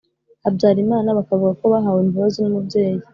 Habyarimana bakavuga ko bahawe imbabazi n umubyeyi